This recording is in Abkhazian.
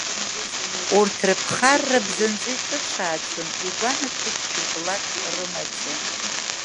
Урҭ рыԥхарра бзанҵы иҿыцәааӡом, игәанаҭоит шәыблак рымаӡа.